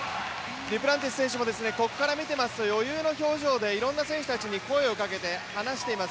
デュプランティス選手もここから見てますと、余裕の表情でいろんな選手たちの声をかけて話しています。